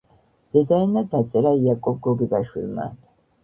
დედაენა დაწერა იაკობ გოგებაშვილმა